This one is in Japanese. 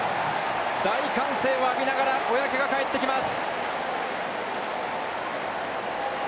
大歓声を浴びながら小宅が帰ってきます。